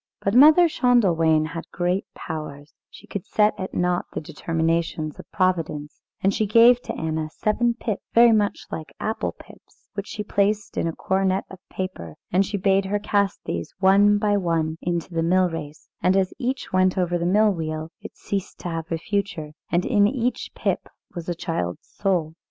But Mother Schändelwein had great powers; she could set at naught the determinations of Providence; and she gave to Anna seven pips, very much like apple pips, which she placed in a cornet of paper; and she bade her cast these one by one into the mill race, and as each went over the mill wheel, it ceased to have a future, and in each pip was a child's soul.